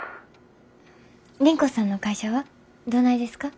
倫子さんの会社はどないですか？